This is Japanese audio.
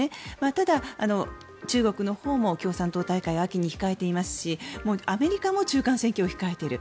ただ、中国のほうも共産党大会を秋に控えていますしアメリカも中間選挙を控えている。